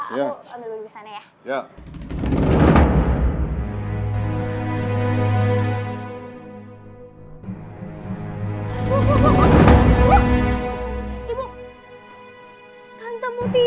iya pak aku ambil wudhu disana ya